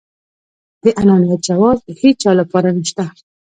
د انانيت جواز د هيچا لپاره نشته.